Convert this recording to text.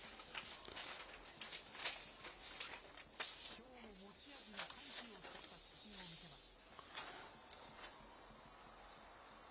きょうも持ち味の緩急を使ったピッチングを見せます。